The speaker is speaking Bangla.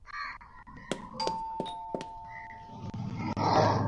স্যার, ও কথা বলতে পারে না।